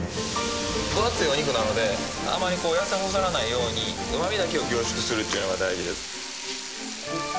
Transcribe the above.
分厚いお肉なのであまり痩せ細らないように旨味だけを凝縮するっちゅうのが大事です。